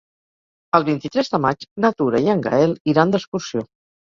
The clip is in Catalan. El vint-i-tres de maig na Tura i en Gaël iran d'excursió.